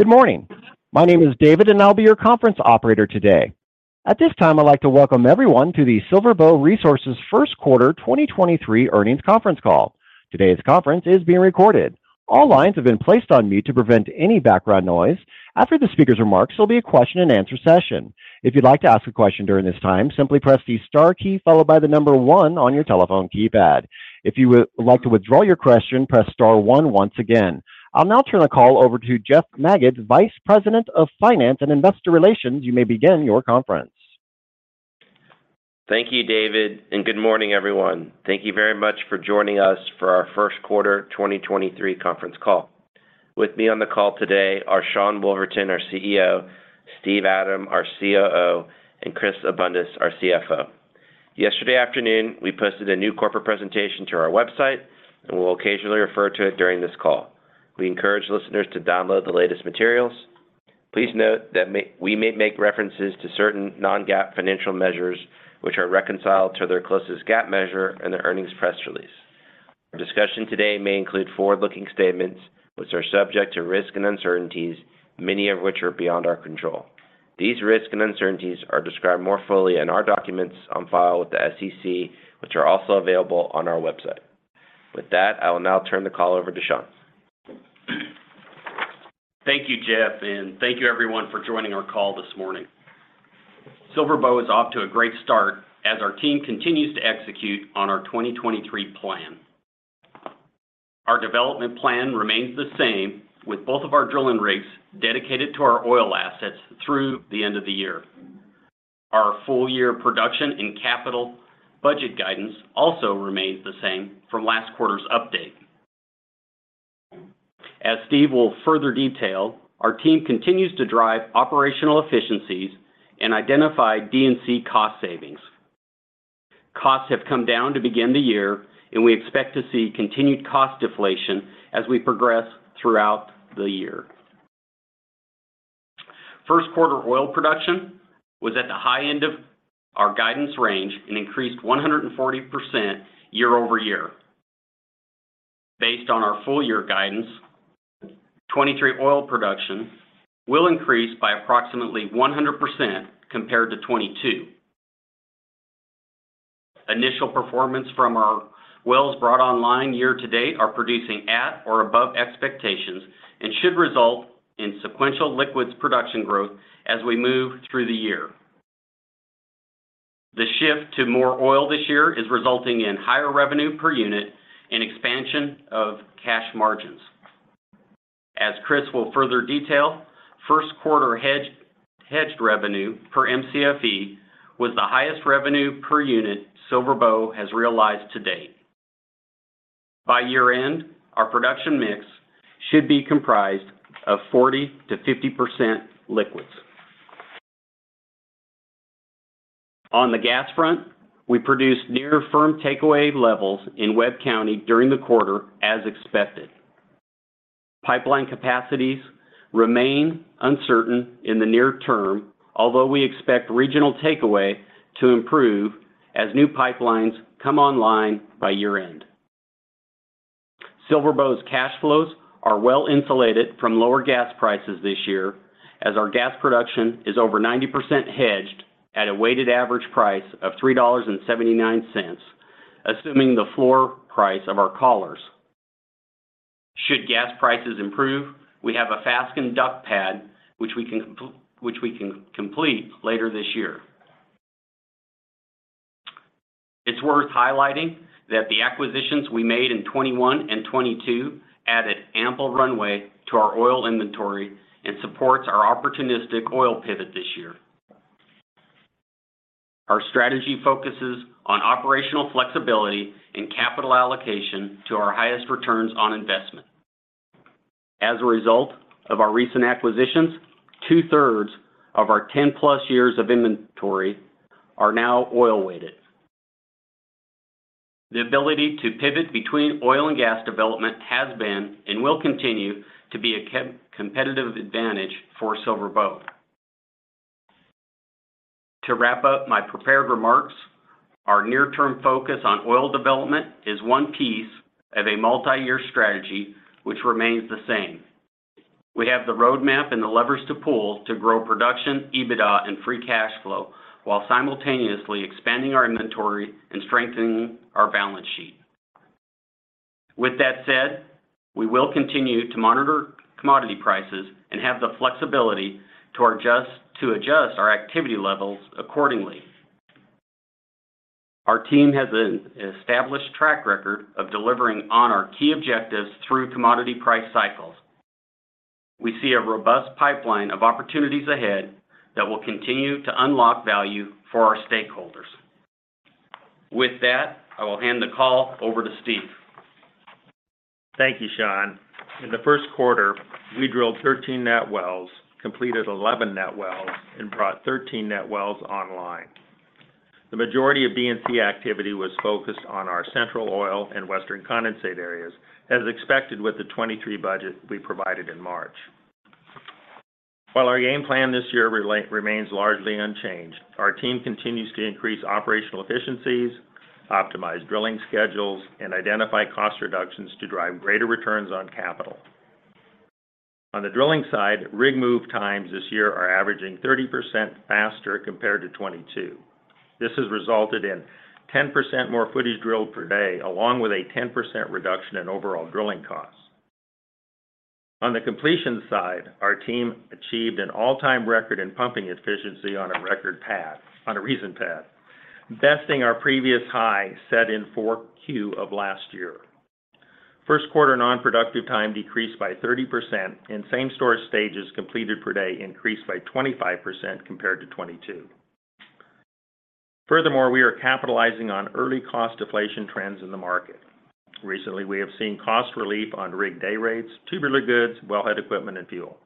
Good morning. My name is David, and I'll be your conference operator today. At this time, I'd like to welcome everyone to the SilverBow Resources First Quarter 2023 Earnings Conference Call. Today's conference is being recorded. All lines have been placed on mute to prevent any background noise. After the speaker's remarks, there'll be a question and answer session. If you'd like to ask a question during this time, simply press the star key followed by one on your telephone keypad. If you would like to withdraw your question, press star one once again. I'll now turn the call over to Jeff Magids, Vice President of Finance and Investor Relations. You may begin your conference. Thank you, David. Good morning, everyone. Thank you very much for joining us for our first quarter 2023 conference call. With me on the call today are Sean Woolverton, our CEO, Steve Adam, our COO, and Chris Abundis, our CFO. Yesterday afternoon, we posted a new corporate presentation to our website, and we'll occasionally refer to it during this call. We encourage listeners to download the latest materials. Please note that we may make references to certain non-GAAP financial measures, which are reconciled to their closest GAAP measure in the earnings press release. Our discussion today may include forward-looking statements which are subject to risks and uncertainties, many of which are beyond our control. These risks and uncertainties are described more fully in our documents on file with the SEC, which are also available on our website. I will now turn the call over to Sean. Thank you, Jeff, and thank you everyone for joining our call this morning. SilverBow is off to a great start as our team continues to execute on our 2023 plan. Our development plan remains the same, with both of our drilling rigs dedicated to our oil assets through the end of the year. Our full year production and capital budget guidance also remains the same from last quarter's update. As Steve will further detail, our team continues to drive operational efficiencies and identify D&C cost savings. Costs have come down to begin the year, and we expect to see continued cost deflation as we progress throughout the year. First quarter oil production was at the high end of our guidance range and increased 140% year-over-year. Based on our full year guidance, 2023 oil production will increase by approximately 100% compared to 2022. Initial performance from our wells brought online year-to-date are producing at or above expectations and should result in sequential liquids production growth as we move through the year. The shift to more oil this year is resulting in higher revenue per unit and expansion of cash margins. As Chris will further detail, first quarter hedged revenue per Mcfe was the highest revenue per unit SilverBow has realized to date. By year-end, our production mix should be comprised of 40%-50% liquids. On the gas front, we produced near firm takeaway levels in Webb County during the quarter as expected. Pipeline capacities remain uncertain in the near term, although we expect regional takeaway to improve as new pipelines come online by year-end. SilverBow's cash flows are well-insulated from lower gas prices this year, as our gas production is over 90% hedged at a weighted average price of $3.79, assuming the floor price of our collars. Should gas prices improve, we have a Fasken DUC pad which we can complete later this year. It's worth highlighting that the acquisitions we made in 2021 and 2022 added ample runway to our oil inventory and supports our opportunistic oil pivot this year. Our strategy focuses on operational flexibility and capital allocation to our highest returns on investment. As a result of our recent acquisitions, two-thirds of our 10+ years of inventory are now oil-weighted. The ability to pivot between oil and gas development has been and will continue to be a competitive advantage for SilverBow. To wrap up my prepared remarks, our near-term focus on oil development is one piece of a multi-year strategy which remains the same. We have the roadmap and the levers to pull to grow production, EBITDA, and free cash flow while simultaneously expanding our inventory and strengthening our balance sheet. With that said, we will continue to monitor commodity prices and have the flexibility to adjust our activity levels accordingly. Our team has an established track record of delivering on our key objectives through commodity price cycles. We see a robust pipeline of opportunities ahead that will continue to unlock value for our stakeholders. With that, I will hand the call over to Steve. Thank you, Sean. In the first quarter, we drilled 13 net wells, completed 11 net wells, and brought 13 net wells online. The majority of D&C activity was focused on our central oil and western condensate areas, as expected with the 2023 budget we provided in March. While our game plan this year remains largely unchanged, our team continues to increase operational efficiencies, optimize drilling schedules, and identify cost reductions to drive greater returns on capital. On the drilling side, rig move times this year are averaging 30% faster compared to 2022. This has resulted in 10% more footage drilled per day, along with a 10% reduction in overall drilling costs. On the completion side, our team achieved an all-time record in pumping efficiency on a recent pad, besting our previous high set in 4Q of last year. First quarter non-productive time decreased by 30% and same-store stages completed per day increased by 25% compared to 2022. Furthermore, we are capitalizing on early cost deflation trends in the market. Recently, we have seen cost relief on rig day rates, tubular goods, well head equipment, and fuel.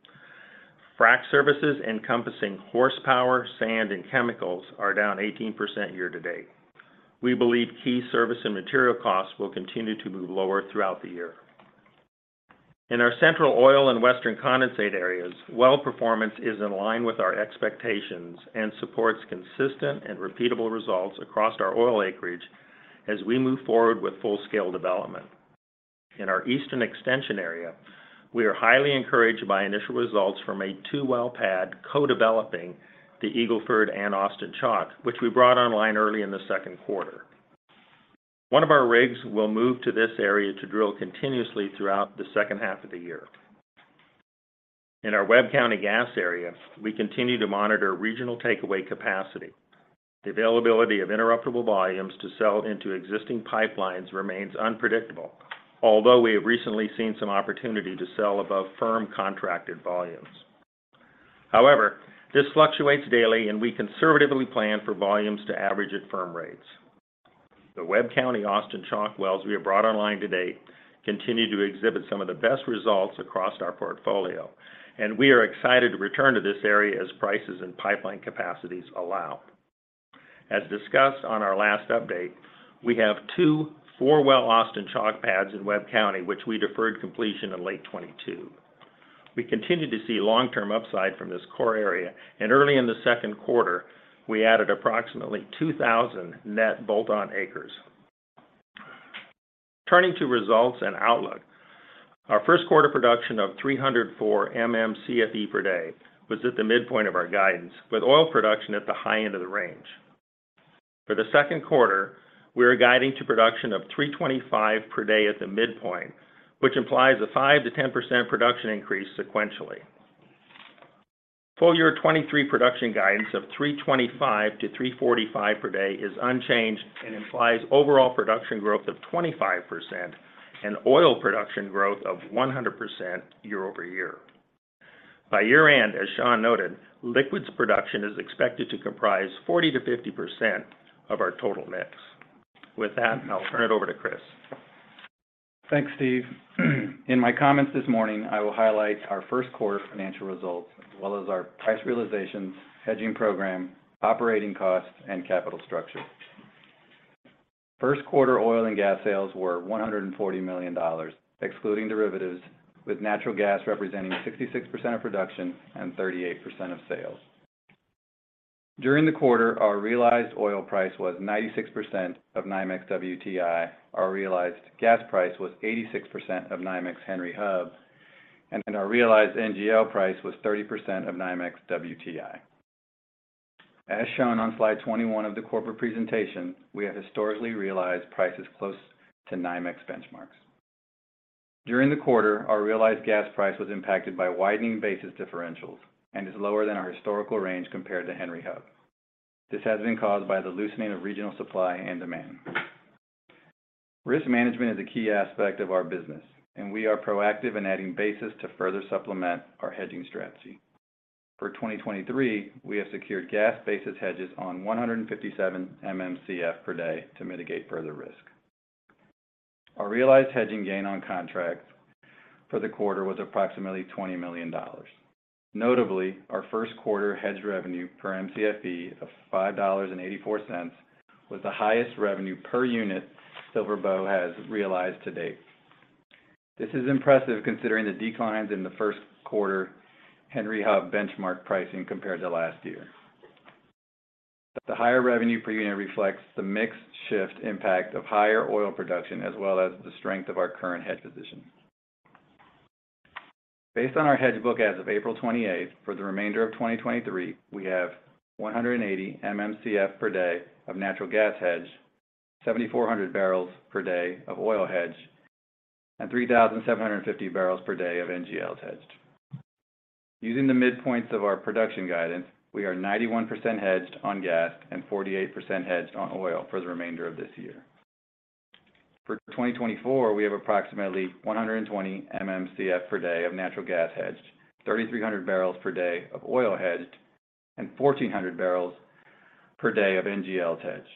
Frac services encompassing horsepower, sand, and chemicals are down 18% year-to-date. We believe key service and material costs will continue to move lower throughout the year. In our central oil and western condensate areas, well performance is in line with our expectations and supports consistent and repeatable results across our oil acreage as we move forward with full-scale development. In our eastern extension area, we are highly encouraged by initial results from a two-well pad co-developing the Eagle Ford and Austin Chalk, which we brought online early in the second quarter. One of our rigs will move to this area to drill continuously throughout the second half of the year. In our Webb County gas area, we continue to monitor regional takeaway capacity. The availability of interruptible volumes to sell into existing pipelines remains unpredictable, although we have recently seen some opportunity to sell above firm contracted volumes. This fluctuates daily and we conservatively plan for volumes to average at firm rates. The Webb County Austin Chalk wells we have brought online to date continue to exhibit some of the best results across our portfolio, and we are excited to return to this area as prices and pipeline capacities allow. As discussed on our last update, we have two four-well Austin Chalk pads in Webb County, which we deferred completion in late 2022. We continue to see long-term upside from this core area. Early in the second quarter, we added approximately 2,000 net bolt-on acres. Turning to results and outlook, our first quarter production of 304 MMcfe per day was at the midpoint of our guidance, with oil production at the high end of the range. For the second quarter, we are guiding to production of 325 per day at the midpoint, which implies a 5%-10% production increase sequentially. Full year 2023 production guidance of 325-345 per day is unchanged and implies overall production growth of 25% and oil production growth of 100% year-over-year. By year-end, as Sean noted, liquids production is expected to comprise 40%-50% of our total mix. With that, I'll turn it over to Chris. Thanks, Steve. In my comments this morning, I will highlight our first quarter financial results, as well as our price realizations, hedging program, operating costs, and capital structure. First quarter oil and gas sales were $140 million, excluding derivatives, with natural gas representing 66% of production and 38% of sales. During the quarter, our realized oil price was 96% of NYMEX WTI. Our realized gas price was 86% of NYMEX Henry Hub, and our realized NGL price was 30% of NYMEX WTI. As shown on slide 21 of the corporate presentation, we have historically realized prices close to NYMEX benchmarks. During the quarter, our realized gas price was impacted by widening basis differentials and is lower than our historical range compared to Henry Hub. This has been caused by the loosening of regional supply and demand. Risk management is a key aspect of our business. We are proactive in adding basis to further supplement our hedging strategy. For 2023, we have secured gas basis hedges on 157 MMcf per day to mitigate further risk. Our realized hedging gain on contracts for the quarter was approximately $20 million. Notably, our first quarter hedge revenue per Mcfe of $5.84 was the highest revenue per unit SilverBow has realized to date. This is impressive considering the declines in the first quarter Henry Hub benchmark pricing compared to last year. The higher revenue per unit reflects the mix shift impact of higher oil production, as well as the strength of our current hedge position. Based on our hedge book as of April 28th, for the remainder of 2023, we have 180 MMcf per day of natural gas hedged, 7,400 barrels per day of oil hedged, and 3,750 barrels per day of NGLs hedged. Using the midpoints of our production guidance, we are 91% hedged on gas and 48% hedged on oil for the remainder of this year. For 2024, we have approximately 120 MMcf per day of natural gas hedged, 3,300 barrels per day of oil hedged, and 1,400 barrels per day of NGLs hedged.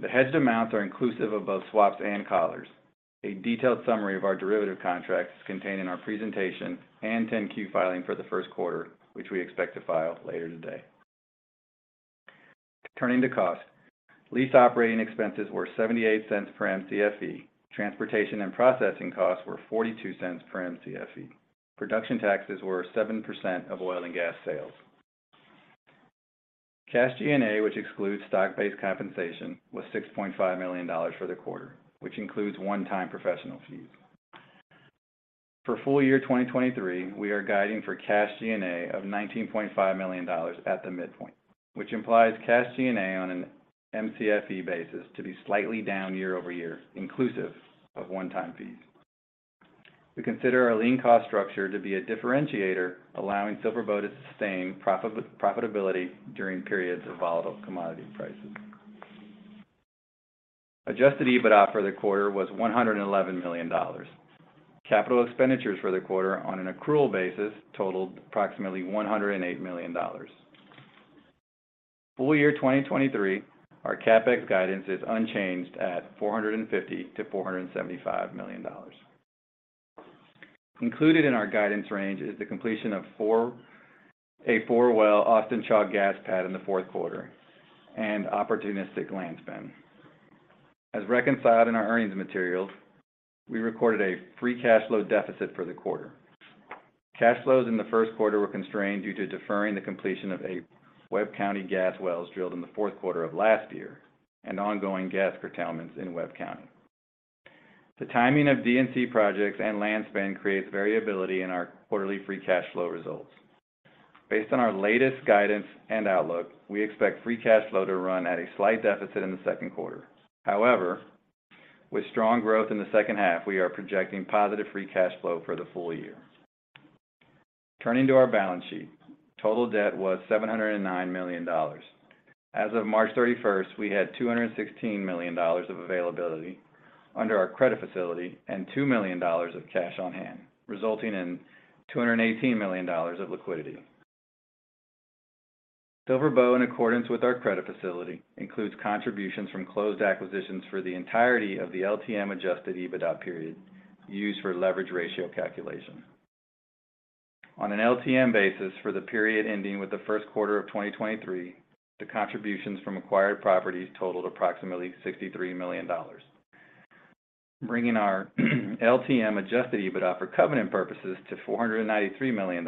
The hedged amounts are inclusive of both swaps and collars. A detailed summary of our derivative contracts is contained in our presentation and Form 10-Q filing for the first quarter, which we expect to file later today. Turning to cost. Lease operating expenses were $0.78 per Mcfe. Transportation and processing costs were $0.42 per Mcfe. Production taxes were 7% of oil and gas sales. Cash G&A, which excludes stock-based compensation, was $6.5 million for the quarter, which includes one-time professional fees. For full year 2023, we are guiding for cash G&A of $19.5 million at the midpoint, which implies cash G&A on an Mcfe basis to be slightly down year-over-year, inclusive of one-time fees. We consider our lean cost structure to be a differentiator, allowing SilverBow to sustain profitability during periods of volatile commodity prices. Adjusted EBITDA for the quarter was $111 million. Capital expenditures for the quarter on an accrual basis totaled approximately $108 million. Full year 2023, our CapEx guidance is unchanged at $450 million-$475 million. Included in our guidance range is the completion of a four-well Austin Chalk gas pad in the fourth quarter and opportunistic land spend. As reconciled in our earnings materials, we recorded a free cash flow deficit for the quarter. Cash flows in the first quarter were constrained due to deferring the completion of eight Webb County gas wells drilled in the fourth quarter of last year and ongoing gas curtailments in Webb County. The timing of D&C projects and land spend creates variability in our quarterly free cash flow results. Based on our latest guidance and outlook, we expect free cash flow to run at a slight deficit in the second quarter. With strong growth in the second half, we are projecting positive free cash flow for the full year. Turning to our balance sheet, total debt was $709 million. As of March 31st, we had $216 million of availability under our credit facility and $2 million of cash on hand, resulting in $218 million of liquidity. SilverBow, in accordance with our credit facility, includes contributions from closed acquisitions for the entirety of the LTM Adjusted EBITDA period used for leverage ratio calculation. On an LTM basis, for the period ending with the first quarter of 2023, the contributions from acquired properties totaled approximately $63 million, bringing our LTM Adjusted EBITDA for covenant purposes to $493 million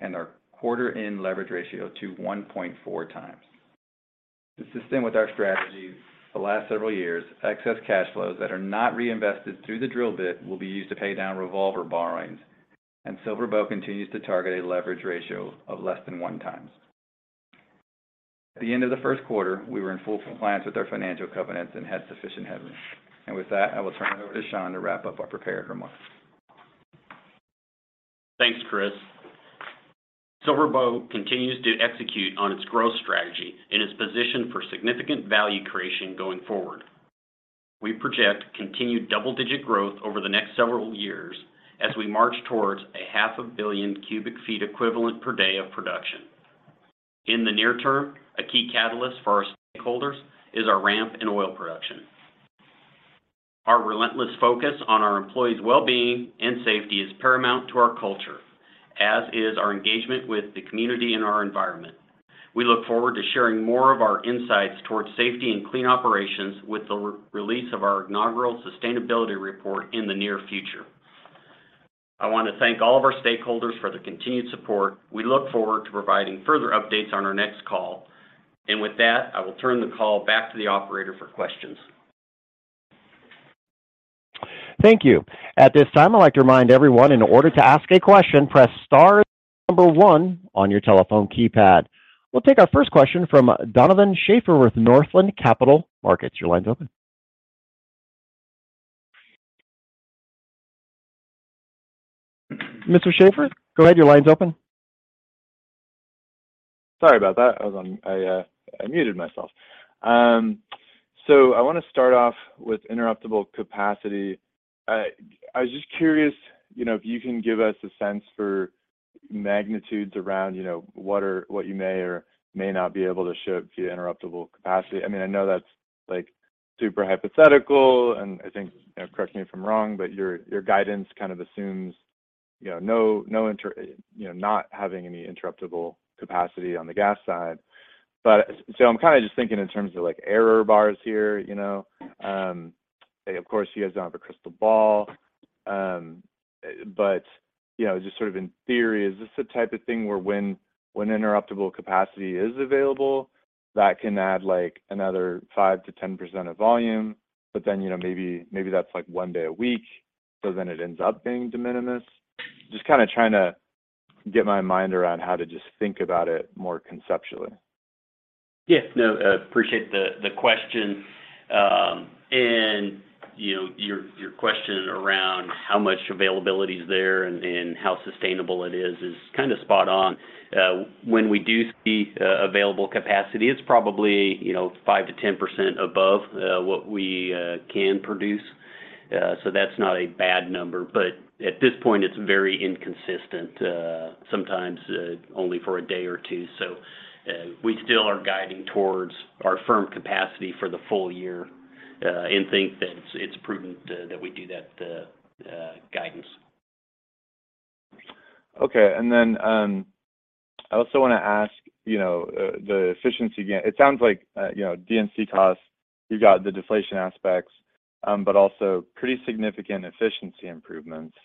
and our quarter-end leverage ratio to 1.4x. Consistent with our strategy the last several years, excess cash flows that are not reinvested through the drill bit will be used to pay down revolver borrowings, SilverBow continues to target a leverage ratio of less than one times. At the end of the first quarter, we were in full compliance with our financial covenants and had sufficient headroom. With that, I will turn it over to Sean to wrap up our prepared remarks. Thanks, Chris. SilverBow continues to execute on its growth strategy and is positioned for significant value creation going forward. We project continued double-digit growth over the next several years as we march towards a half a billion cubic feet equivalent per day of production. In the near term, a key catalyst for our stakeholders is our ramp in oil production. Our relentless focus on our employees' well-being and safety is paramount to our culture, as is our engagement with the community and our environment. We look forward to sharing more of our insights towards safety and clean operations with the re-release of our inaugural sustainability report in the near future. I want to thank all of our stakeholders for their continued support. We look forward to providing further updates on our next call. With that, I will turn the call back to the operator for questions. Thank you. At this time, I'd like to remind everyone, in order to ask a question, press star then number one on your telephone keypad. We'll take our first question from Donovan Schafer with Northland Capital Markets. Your line's open. Mr. Schafer, go ahead. Your line's open. Sorry about that. I muted myself. I wanna start off with interruptible capacity. I was just curious, you know, if you can give us a sense for magnitudes around, you know, what you may or may not be able to ship via interruptible capacity. I mean, I know that's, like, super hypothetical, and I think, you know, correct me if I'm wrong, but your guidance kind of assumes, you know, not having any interruptible capacity on the gas side. I'm kinda just thinking in terms of, like, error bars here, you know? Of course, you guys don't have a crystal ball, you know, just sort of in theory, is this the type of thing where when interruptible capacity is available, that can add, like, another 5%-10% of volume, but then, you know, maybe that's, like, 1 day a week, so then it ends up being de minimis? Just kinda trying to get my mind around how to just think about it more conceptually. Yeah. No, appreciate the question. You know, your question around how much availability is there and how sustainable it is kind of spot on. When we do see available capacity, it's probably, you know, 5%-10% above what we can produce. That's not a bad number. At this point, it's very inconsistent, sometimes only for a day or two. We still are guiding towards our firm capacity for the full year, and think that it's prudent that we do that guidance. Okay. I also wanna ask, you know, the efficiency gain. It sounds like, you know, D&C costs, you've got the deflation aspects, but also pretty significant efficiency improvements.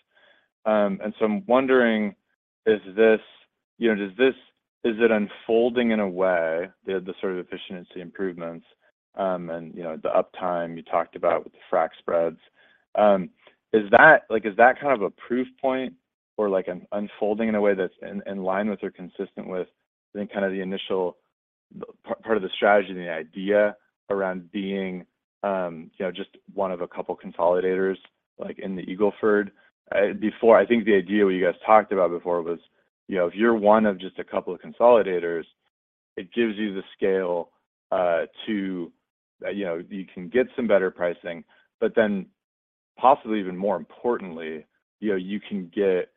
I'm wondering, is it unfolding in a way, the sort of efficiency improvements, and, you know, the uptime you talked about with the frack spreads, is that, like, is that kind of a proof point or, like, an unfolding in a way that's in line with or consistent with then kind of the initial part of the strategy and the idea around being, you know, just one of a couple consolidators, like, in the Eagle Ford? Before, I think the idea what you guys talked about before was, you know, if you're one of just a couple of consolidators, it gives you the scale, to, you know, you can get some better pricing. Possibly even more importantly, you know, you can get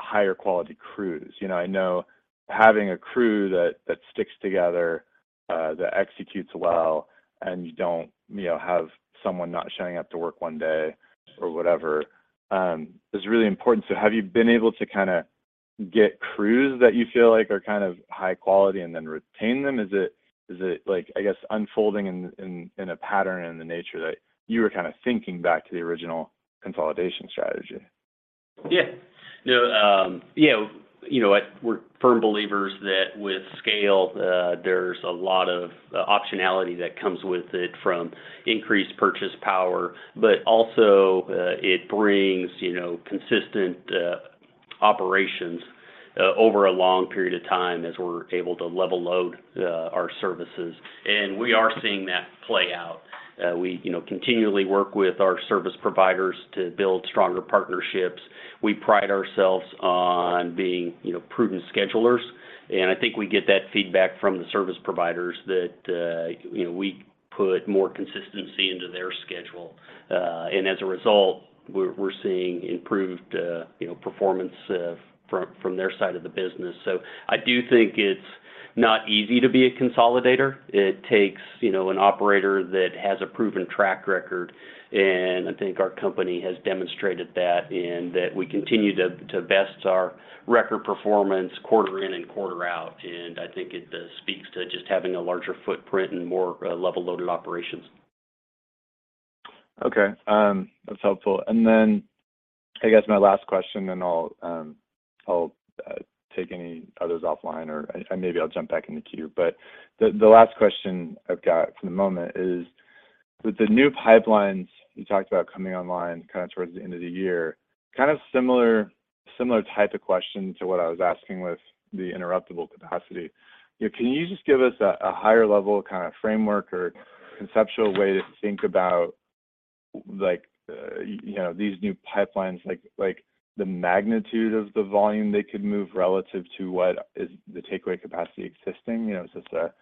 higher quality crews. You know, I know having a crew that sticks together, that executes well, and you don't, you know, have someone not showing up to work one day or whatever, is really important. Have you been able to kinda get crews that you feel like are kind of high quality and then retain them? Is it, like, I guess, unfolding in a pattern, in the nature that you were kind of thinking back to the original consolidation strategy? Yeah. You know, we're firm believers that with scale, there's a lot of optionality that comes with it from increased purchase power, but also, it brings, you know, consistent operations over a long period of time as we're able to level load our services. We are seeing that play out. We, you know, continually work with our service providers to build stronger partnerships. We pride ourselves on being, you know, prudent schedulers, and I think we get that feedback from the service providers that, you know, we put more consistency into their schedule. As a result, we're seeing improved, you know, performance from their side of the business. I do think it's not easy to be a consolidator. It takes, you know, an operator that has a proven track record. I think our company has demonstrated that in that we continue to best our record performance quarter in and quarter out. I think it speaks to just having a larger footprint and more level loaded operations. Okay. That's helpful. I guess my last question then I'll take any others offline or maybe I'll jump back in the queue. The last question I've got for the moment is with the new pipelines you talked about coming online kinda towards the end of the year, kind of similar type of question to what I was asking with the interruptible capacity. You know, can you just give us a higher level kind of framework or conceptual way to think about, like, you know, these new pipelines, like, the magnitude of the volume they could move relative to what is the takeaway capacity existing? You know, is this a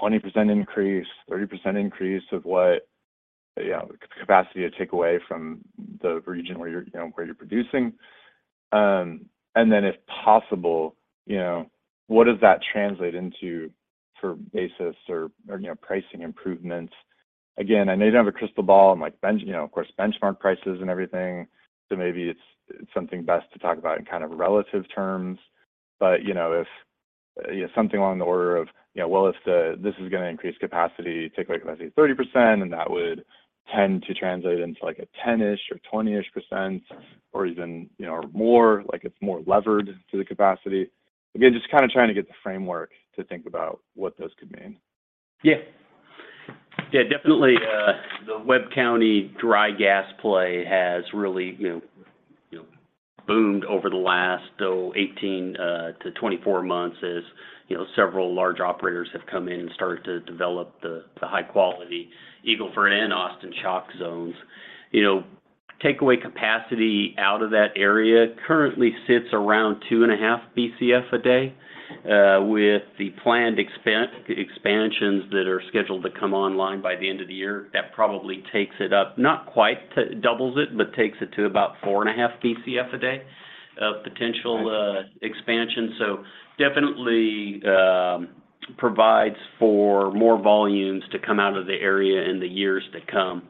20% increase, 30% increase of what, you know, capacity to take away from the region where you're, you know, where you're producing? If possible, you know, what does that translate into for basis or, you know, pricing improvements? Again, I know you don't have a crystal ball and like, you know, of course, benchmark prices and everything, so maybe it's something best to talk about in kind of relative terms. You know, if, you know, something along the order of, you know, well, if this is gonna increase capacity, takeaway capacity 30%, and that would tend to translate into, like, a 10-ish or 20-ish percent or even, you know, more, like it's more levered to the capacity. Again, just kinda trying to get the framework to think about what those could mean. Yeah. Yeah, definitely, the Webb County dry gas play has really, you know, boomed over the last 18 to 24 months as, you know, several large operators have come in and started to develop the high quality Eagle Ford and Austin Chalk zones. You know, takeaway capacity out of that area currently sits around 2.5 Bcf a day. With the planned expansions that are scheduled to come online by the end of the year, that probably takes it up, not quite to doubles it, but takes it to about 4.5 Bcf a day of potential- Right ....expansion. Definitely provides for more volumes to come out of the area in the years to come.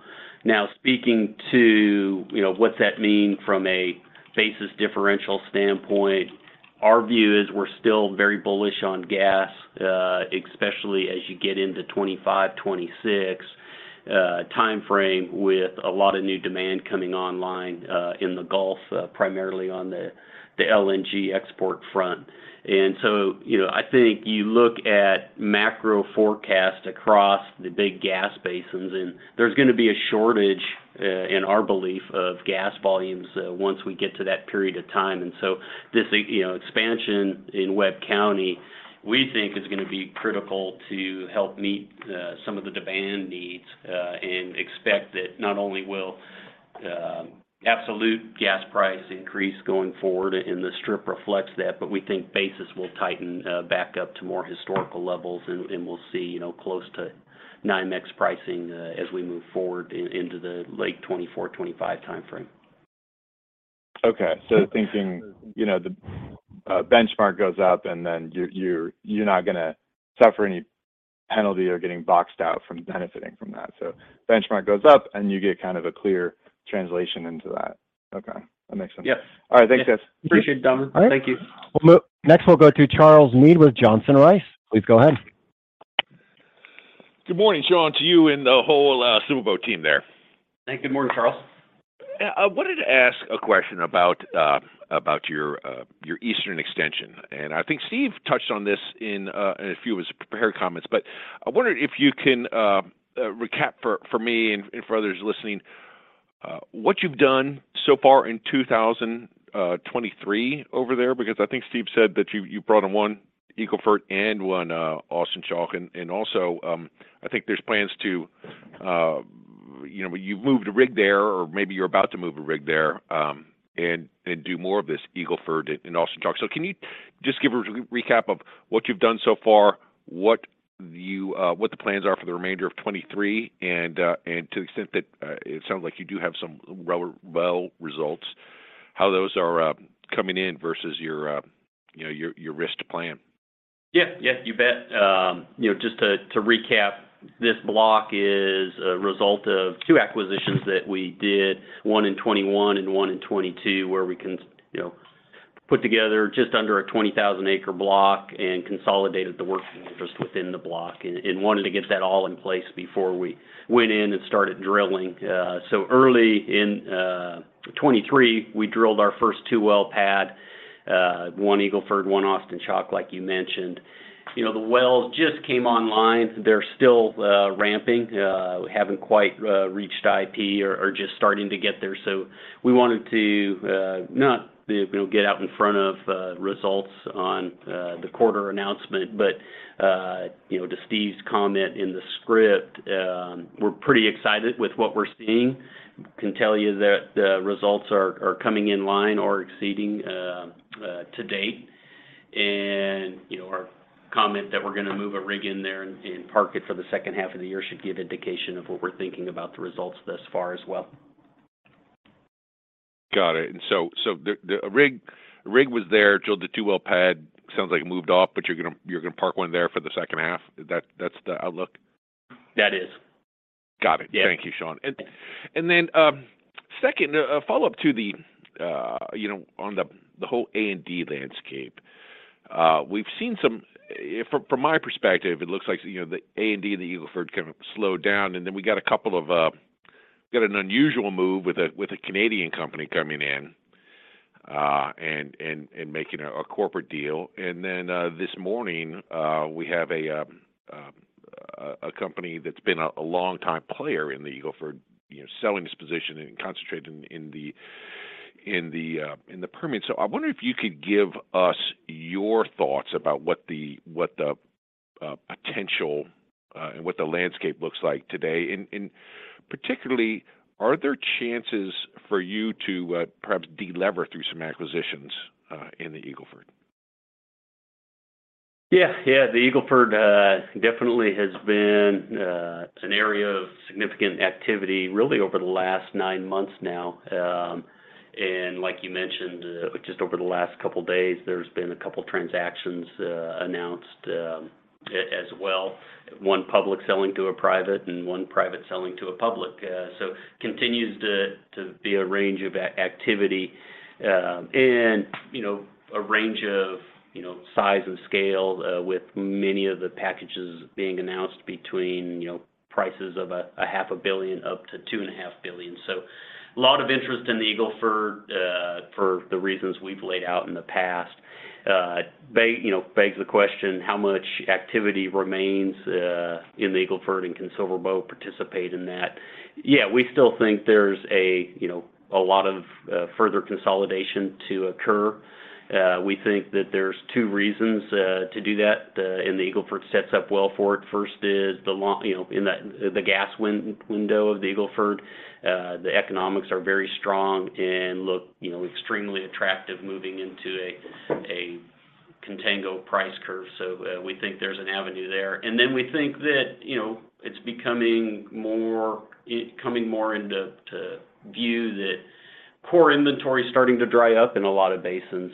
Now, speaking to, you know, what's that mean from a basis differential standpoint, our view is we're still very bullish on gas, especially as you get into 2025, 2026, timeframe with a lot of new demand coming online, in the Gulf, primarily on the LNG export front. You know, I think you look at macro forecasts across the big gas basins, and there's gonna be a shortage, in our belief of gas volumes, once we get to that period of time. This, you know, expansion in Webb County, we think is gonna be critical to help meet some of the demand needs and expect that not only will absolute gas price increase going forward, and the strip reflects that, but we think basis will tighten back up to more historical levels and we'll see, you know, close to NYMEX pricing as we move forward in into the late 2024, 2025 timeframe. Okay. thinking, you know, the benchmark goes up and then you're not gonna suffer any. Penalty or getting boxed out from benefiting from that. Benchmark goes up, and you get kind of a clear translation into that. Okay. That makes sense. Yep. All right. Thanks, guys. Appreciate it, Donovan Schafer. Thank you. All right. Well, next we'll go to Charles Meade with Johnson Rice. Please go ahead. Good morning, Sean, to you and the whole SilverBow team there. Hey, good morning, Charles. Yeah, I wanted to ask a question about your Eastern extension, and I think Steve touched on this in a few of his prepared comments. I wondered if you can recap for me and for others listening what you've done so far in 2023 over there because I think Steve said that you brought in one Eagle Ford and one Austin Chalk and also, I think there's plans to, you know, you've moved a rig there, or maybe you're about to move a rig there, and do more of this Eagle Ford and Austin Chalk. Can you just give a recap of what you've done so far? What the plans are for the remainder of 23 and to the extent that it sounds like you do have some well results, how those are coming in versus your, you know, your risk to plan? Yeah. Yeah. You bet. You know, just to recap, this block is a result of two acquisitions that we did, one in 2021 and one in 2022, where we can, you know, put together just under a 20,000 acre block and consolidated the work just within the block and wanted to get that all in place before we went in and started drilling. Early in 2023, we drilled our first two well pad, one Eagle Ford, one Austin Chalk, like you mentioned. You know, the wells just came online, so they're still ramping. We haven't quite reached IP or are just starting to get there, we wanted to not, you know, get out in front of results on the quarter anouncement. You know, to Steve's comment in the script, we're pretty excited with what we're seeing. Can tell you that the results are coming in line or exceeding to date. you know, our comment that we're gonna move a rig in there and park it for the second half of the year should give indication of what we're thinking about the results thus far as well. Got it. The A rig was there, drilled the two well pad, sounds like it moved off, but you're going to park one there for the second half. That's the outlook? That is. Got it. Yeah. Thank you, Sean. Then, second, a follow-up to the, you know, on the whole A&D landscape. From my perspective, it looks like, you know, the A&D and the Eagle Ford kind of slowed down, and then we got a couple of, got an unusual move with a Canadian company coming in, and making a corporate deal. This morning, we have a company that's been a long time player in the Eagle Ford, you know, selling this position and concentrating in the Permian. I wonder if you could give us your thoughts about what the potential and what the landscape looks like today. Particularly, are there chances for you to, perhaps delever through some acquisitions, in the Eagle Ford? Yeah. Yeah. The Eagle Ford definitely has been an area of significant activity really over the last 9 months now. Like you mentioned, just over the last couple days, there's been a couple transactions announced as well, one public selling to a private and one private selling to a public. continues to be a range of activity, and, you know, a range of, you know, size and scale, with many of the packages being announced between, you know, prices of a half a billion dollars up to two and a half billion dollars. A lot of interest in the Eagle Ford for the reasons we've laid out in the past. you know, begs the question, how much activity remains in the Eagle Ford and can SilverBow participate in that? Yeah, we still think there's a, you know, a lot of further consolidation to occur. We think that there's two reasons to do that, and the Eagle Ford sets up well for it. First is, you know, in the gas window of the Eagle Ford, the economics are very strong and look, you know, extremely attractive moving into a contango price curve. We think there's an avenue there. We think that, you know, it's coming more into view that core inventory is starting to dry up in a lot of basins.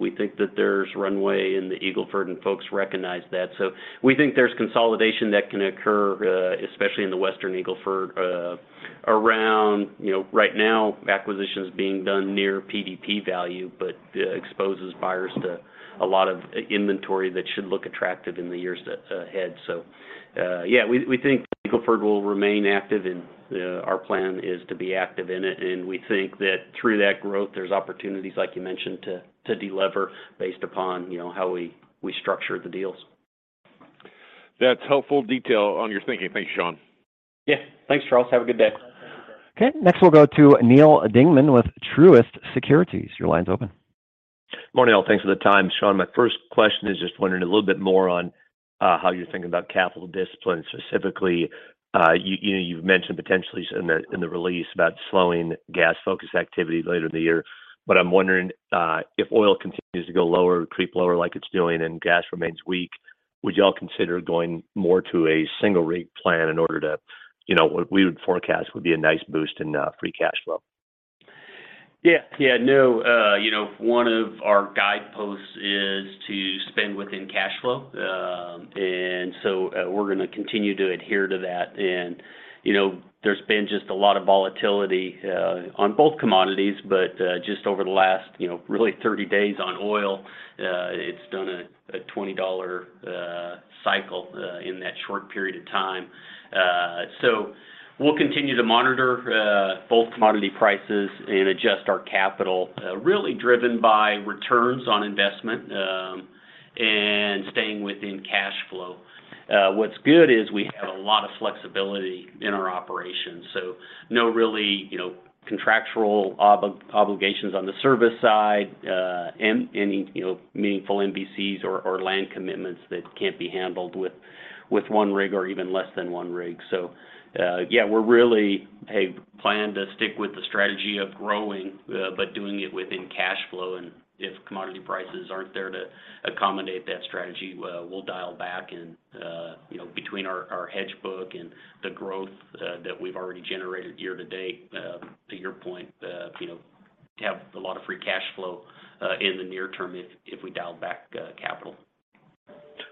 We think that there's runway in the Eagle Ford, and folks recognize that. We think there's consolidation that can occur, especially in the Western Eagle Ford, around, you know, right now, acquisitions being done near PDP value, but exposes buyers to a lot of inventory that should look attractive in the years ahead. Yeah, we think Eagle Ford will remain active, and our plan is to be active in it. We think that through that growth, there's opportunities, like you mentioned, to delever based upon, you know, how we structure the deals. That's helpful detail on your thinking. Thanks, Sean. Yeah. Thanks, Charles. Have a good day. Okay, next we'll go to Neal Dingmann with Truist Securities. Your line's open. Morning, all. Thanks for the time. Sean, my first question is just wondering a little bit more on how you're thinking about capital discipline. Specifically, you know, you've mentioned potentially in the release about slowing gas-focused activity later in the year. I'm wondering if oil continues to go lower, creep lower like it's doing and gas remains weak, would y'all consider going more to a single rig plan in order to, you know, what we would forecast would be a nice boost in Free Cash Flow? Yeah. Yeah, no, you know, one of our guideposts is to spend within cash flow. We're gonna continue to adhere to that. You know, there's been just a lot of volatility on both commodities, but just over the last, you know, really 30 days on oil, it's done a $20 cycle in that short period of time. We'll continue to monitor both commodity prices and adjust our capital really driven by returns on investment, and staying within cash flow. What's good is we have a lot of flexibility in our operations, so no really, you know, contractual obligations on the service side, and any, you know, meaningful MVCs or land commitments that can't be handled with one rig or even less than one rig. Yeah, we're really have planned to stick with the strategy of growing, but doing it within cash flow. If commodity prices aren't there to accommodate that strategy, we'll dial back and, you know, between our hedge book and the growth that we've already generated year-to-date, to your point, you know, have a lot of free cash flow in the near term if we dial back, capital.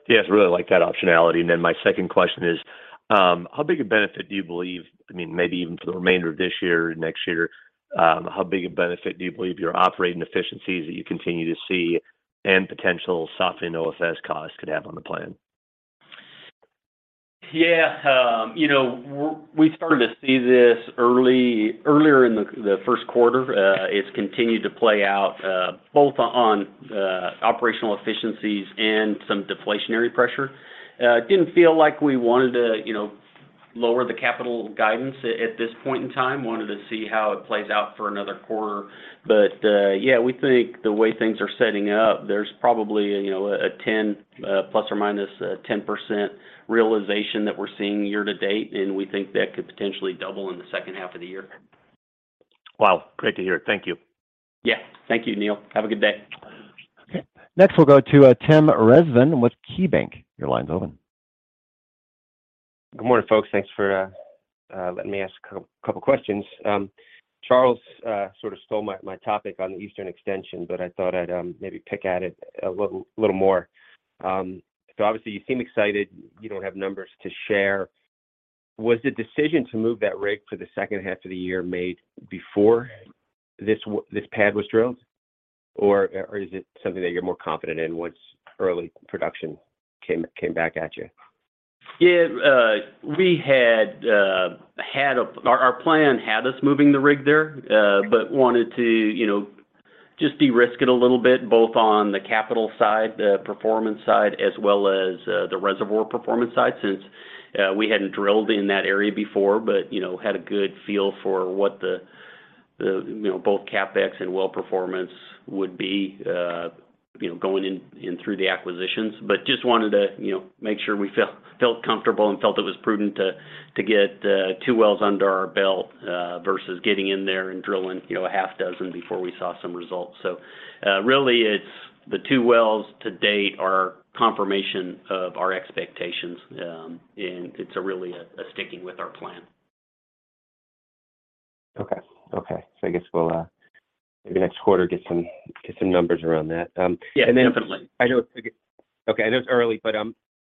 Yes, really like that optionality. My second question is, how big a benefit do you believe, I mean, maybe even for the remainder of this year or next year, how big a benefit do you believe your operating efficiencies that you continue to see and potential software and OFS costs could have on the plan? Yeah. you know, we started to see this earlier in the first quarter. It's continued to play out both on operational efficiencies and some deflationary pressure. Didn't feel like we wanted to, you know, lower the capital guidance at this point in time. Wanted to see how it plays out for another quarter. Yeah, we think the way things are setting up, there's probably, you know, a 10 ±10% realization that we're seeing year-to-date, and we think that could potentially double in the second half of the year. Wow. Great to hear it. Thank you. Yeah. Thank you, Neal. Have a good day. Okay. Next, we'll go to Tim Rezvan with KeyBanc. Your line's open. Good morning, folks. Thanks for letting me ask a couple questions. Charles, sort of stole my topic on the eastern extension, but I thought I'd maybe pick at it a little more. Obviously you seem excited. You don't have numbers to share. Was the decision to move that rig to the second half of the year made before this pad was drilled? Or is it something that you're more confident in once early production came back at you? Our plan had us moving the rig there, wanted to, you know, just de-risk it a little bit, both on the capital side, the performance side, as well as the reservoir performance side since we hadn't drilled in that area before. you know, had a good feel for what the, you know, both CapEx and well performance would be, you know, going in through the acquisitions. just wanted to, you know, make sure we felt comfortable and felt it was prudent to get two wells under our belt versus getting in there and drilling, you know, a half dozen before we saw some results. really it's the two wells to date are confirmation of our expectations, and it's really a sticking with our plan. Okay. Okay. I guess we'll maybe next quarter get some numbers around that. Yeah, definitely. Okay. I know it's early.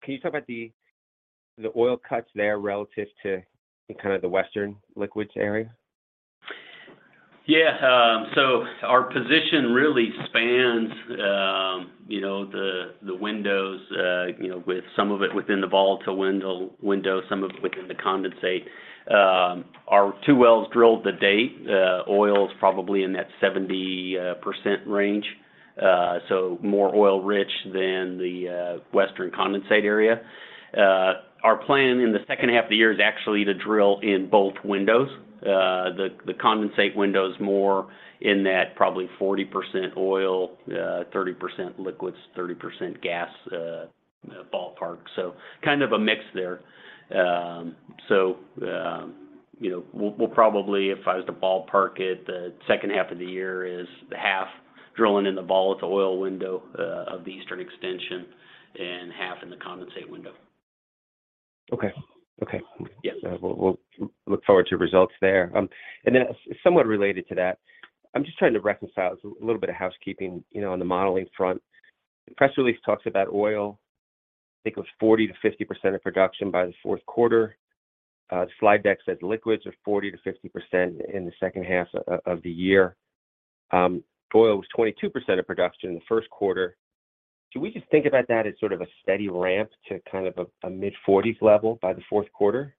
Can you talk about the oil cuts there relative to kind of the western liquids area? Yeah. Our position really spans the windows, with some of it within the volatile window, some of it within the condensate. Our two wells drilled to date, oil is probably in that 70% range. More oil rich than the western condensate area. Our plan in the second half of the year is actually to drill in both windows. The condensate window is more in that probably 40% oil, 30% liquids, 30% gas ballpark. Kind of a mix there. We'll probably, if I was to ballpark it, the second half of the year is half drilling in the volatile oil window of the eastern extension and half in the condensate window. Okay. Okay. Yes. We'll look forward to results there. Somewhat related to that, I'm just trying to reconcile a little bit of housekeeping, you know, on the modeling front. The press release talks about oil. I think it was 40% to 50% of production by the fourth quarter. The slide deck says liquids are 40% to 50% in the second half of the year. Oil was 22% of production in the first quarter. Can we just think about that as sort of a steady ramp to kind of a mid-40s level by the fourth quarter?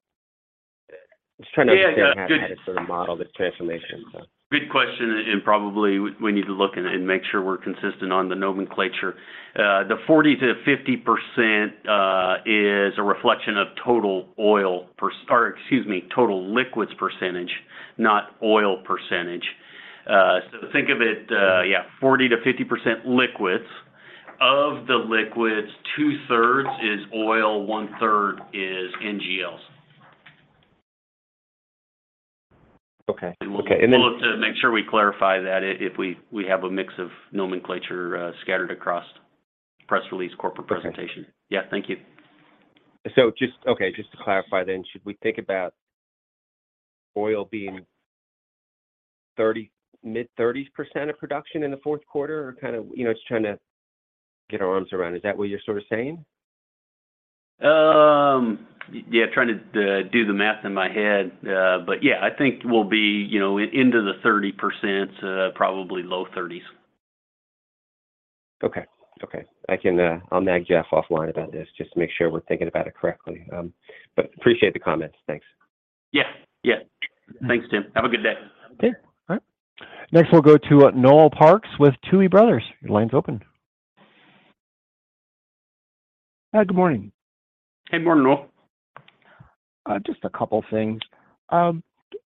Just trying to understand. Yeah. How to sort of model the transformation, so. Good question, probably we need to look and make sure we're consistent on the nomenclature. The 40%-50% is a reflection of total liquids percentage, not oil percentage. Think of it, yeah, 40%-50% liquids. Of the liquids, two-thirds is oil, one-third is NGLs. Okay. Okay. We'll look to make sure we clarify that if we have a mix of nomenclature, scattered across press release corporate presentation. Okay. Yeah. Thank you. Just, okay, just to clarify, should we think about oil being 30%, mid-30s% of production in the fourth quarter? Kind of... You know, just trying to get our arms around. Is that what you're sort of saying? Yeah, trying to do the math in my head. Yeah, I think we'll be, you know, into the 30%, probably low 30s. Okay. Okay. I can. I'll nag Jeff offline about this just to make sure we're thinking about it correctly. Appreciate the comments. Thanks. Yeah. Yeah. Thanks, Tim. Have a good day. Okay. All right. Next, we'll go to, Noel Parks with Tuohy Brothers. Your line's open. Hi. Good morning. Hey. Morning, Noel. Just a couple things.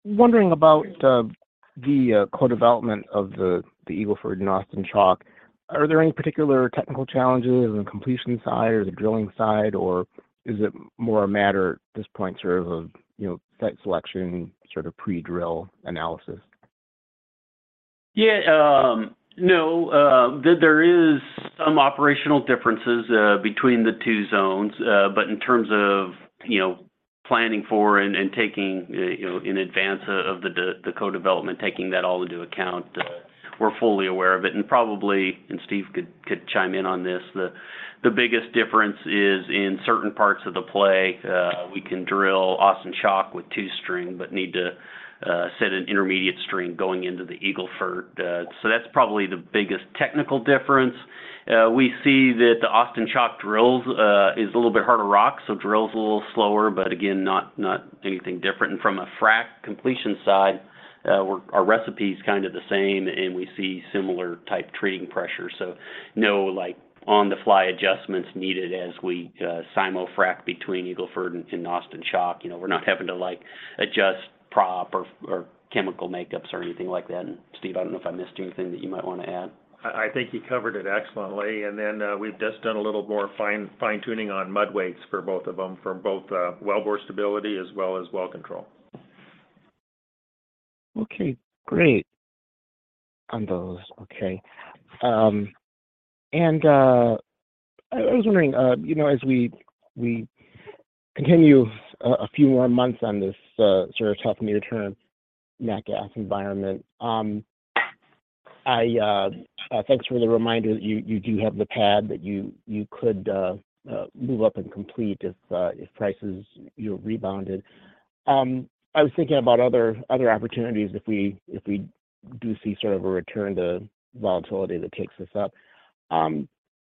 Wondering about the co-development of the Eagle Ford and Austin Chalk, are there any particular technical challenges on the completion side or the drilling side, or is it more a matter at this point sort of, you know, site selection, sort of pre-drill analysis? There is some operational differences between the two zones. In terms of, you know, planning for and taking, you know, in advance of the co-development, taking that all into account, we're fully aware of it. Probably, and Steve could chime in on this, the biggest difference is in certain parts of the play, we can drill Austin Chalk with two string, but need to set an intermediate string going into the Eagle Ford. That's probably the biggest technical difference. We see that the Austin Chalk drills is a little bit harder rock, so drills a little slower, but again, not anything different. From a frack completion side, our recipe's kind of the same, and we see similar type treating pressure. No, like, on-the-fly adjustments needed as we simul-frac between Eagle Ford and Austin Chalk. You know, we're not having to, like, adjust prop or chemical makeups or anything like that. Steve, I don't know if I missed anything that you might want to add. I think he covered it excellently. Then, we've just done a little more fine-tuning on mud weights for both of them, for both well bore stability as well as well control. Okay, great on those. Okay. I was wondering, you know, as we continue a few more months on this sort of tough near-term nat gas environment. Thanks for the reminder that you do have the pad that you could move up and complete if prices, you know, rebounded. I was thinking about other opportunities if we do see sort of a return to volatility that takes us up.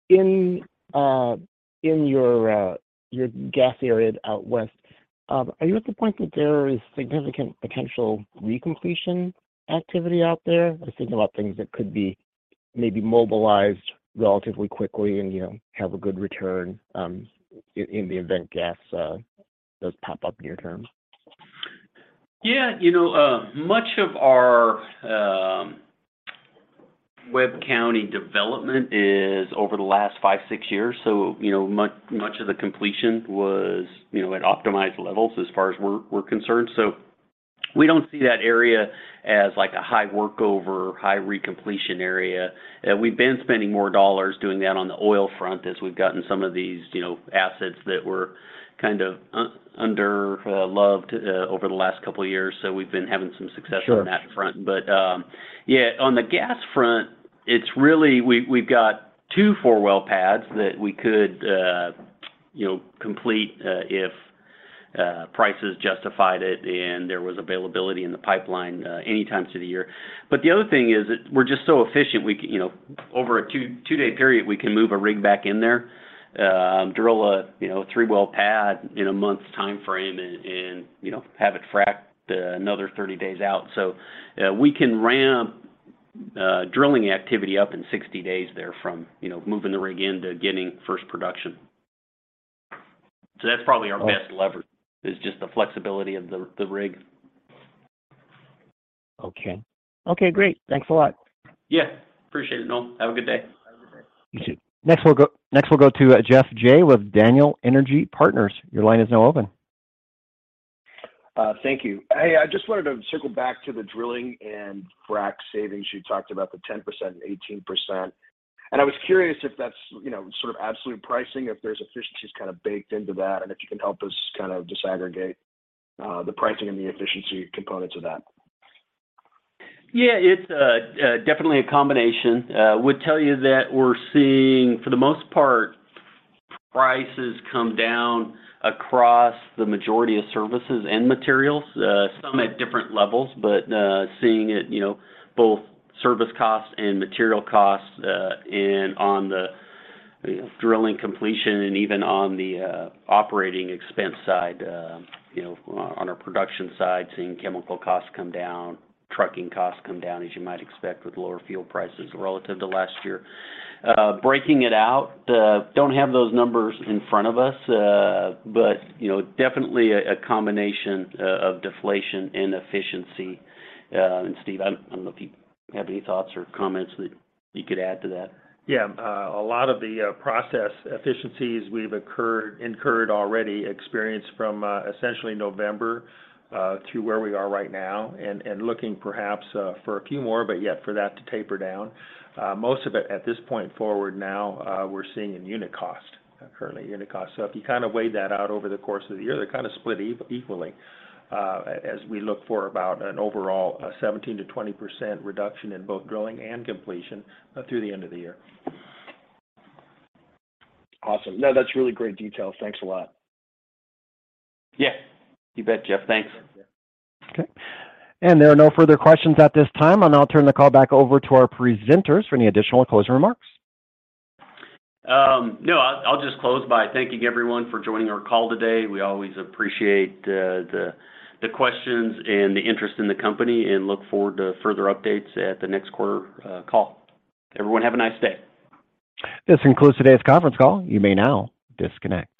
In your gas areas out west, are you at the point that there is significant potential re-completion activity out there? I was thinking about things that could be maybe mobilized relatively quickly and, you know, have a good return in the event gas does pop up near term. Yeah, you know, much of our Webb County development is over the last five, six years, so, you know, much of the completion was, you know, at optimized levels as far as we're concerned. We don't see that area as like a high workover, high re-completion area. We've been spending more dollars doing that on the oil front as we've gotten some of these, you know, assets that were kind of under loved over the last couple years. We've been having some success- Sure... on that front. On the gas front, it's really. We've got two four-well pads that we could, you know, complete if prices justified it and there was availability in the pipeline any time through the year. The other thing is that we're just so efficient, we, you know, over a two day period, we can move a rig back in there, drill a, you know, a three well pad in a month's timeframe and, you know, have it fracked another 30 days out. We can ramp drilling activity up in 60 days there from, you know, moving the rig in to getting first production. That's probably our best leverage, is just the flexibility of the rig. Okay. Okay, great. Thanks a lot. Yeah. Appreciate it, Noel. Have a good day. You too. Next we'll go to Geoff Jay with Daniel Energy Partners. Your line is now open. Thank you. Hey, I just wanted to circle back to the drilling and frack savings. You talked about the 10% and 18%. I was curious if that's, you know, sort of absolute pricing, if there's efficiencies kind of baked into that, and if you can help us kind of disaggregate, the pricing and the efficiency components of that? Yeah. It's definitely a combination. Would tell you that we're seeing, for the most part, prices come down across the majority of services and materials. Some at different levels, but seeing it, you know, both service costs and material costs, and on the, you know, drilling completion and even on the operating expense side, you know, on our production side, seeing chemical costs come down, trucking costs come down, as you might expect with lower fuel prices relative to last year. Breaking it out, don't have those numbers in front of us, but, you know, definitely a combination of deflation and efficiency. Steve, I don't know if you have any thoughts or comments that you could add to that. Yeah. A lot of the process efficiencies we've incurred already, experienced from essentially November to where we are right now and looking perhaps for a few more, but yet for that to taper down. Most of it at this point forward now, we're seeing in unit cost currently unit cost. If you kind of weighed that out over the course of the year, they're kind of split equally, as we look for about an overall 17%-20% reduction in both drilling and completion through the end of the year. Awesome. That's really great detail. Thanks a lot. Yeah. You bet, Geoff. Thanks. Yeah. Okay. There are no further questions at this time. I'll now turn the call back over to our presenters for any additional closing remarks. No, I'll just close by thanking everyone for joining our call today. We always appreciate the questions and the interest in the company. Look forward to further updates at the next quarter call. Everyone, have a nice day. This concludes today's conference call. You may now disconnect.